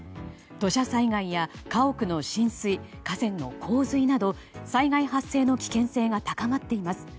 土砂災害や家屋の浸水河川の洪水など災害発生の危険性が高まっています。